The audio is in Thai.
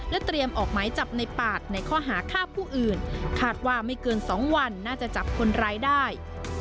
เตรียมออกหมายจับในปาดในข้อหาฆ่าผู้อื่นคาดว่าไม่เกิน๒วันน่าจะจับคนร้ายได้